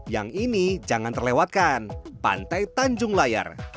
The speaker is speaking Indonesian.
yang ini jangan terlewatkan pantai tanjung layar